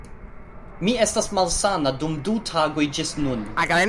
Mi estas malsana dum du tagoj ĝis nun